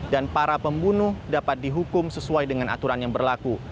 dan para pembunuh dapat dihukum sesuai dengan aturan yang berlaku